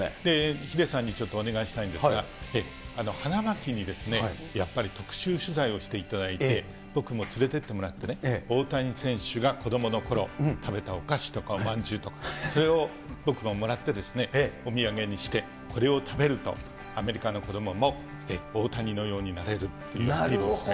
ヒデさんにちょっとお願いしたいんですが、花巻にですね、やっぱり特集取材をしていただいて、僕も連れてってもらってね、大谷選手が子どものころ食べたお菓子とかおまんじゅうとか、それを僕ももらって、お土産にして、これを食べると、アメリカの子どもも大谷のようになれるということですね。